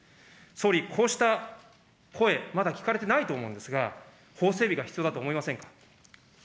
総理、こうした声、まだ聞かれてないと思うんですが、法整備が必要だと思いませんか。